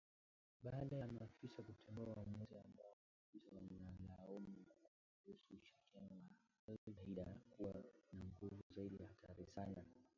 baada ya maafisa kutengua uamuzi ambao maafisa wanalaumu kwa kuruhusu ushirika wa al-Qaida kuwa na nguvu zaidi na hatari sana